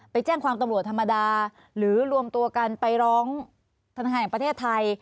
ไปแจ้งความตำรวจธรรมดาหรือรวมตัวกันไปร้องธนาคารแห่งประเทศไทย